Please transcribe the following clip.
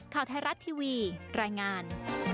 ข่าวไทยรัฐทีวีรายงาน